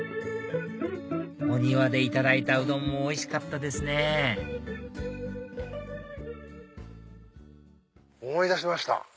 お庭でいただいたうどんもおいしかったですね思い出しました！